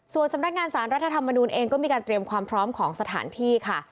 ส่วนสำนักงานสารรัฐธรรมนูลเองก็มีการเตรียมความพร้อมของสถานที่ค่ะ